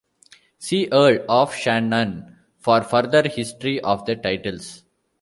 See Earl of Shannon for further history of the titles.